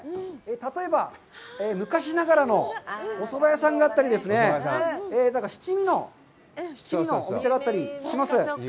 例えば、昔ながらのおそば屋さんがあったりとか、七味のお店があったりします。